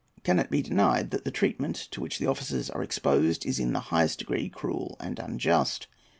Can it be denied that the treatment to which the officers are exposed is in the highest degree cruel and unjust?